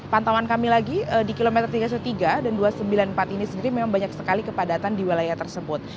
pantauan kami lagi di kilometer tiga ratus tiga dan dua ratus sembilan puluh empat ini sendiri memang banyak sekali kepadatan di wilayah tersebut